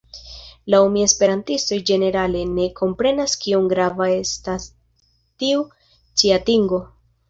Laŭ mi esperantistoj ĝenerale ne komprenas kiom grava estas tiu ĉi atingo.